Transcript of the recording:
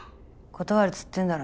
断るっつってんだろ。